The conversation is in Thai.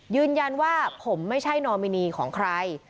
ยืนยันว่าผมไม่ใช่นอมินีของใคร